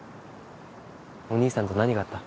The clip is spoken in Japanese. お兄さんと何があった？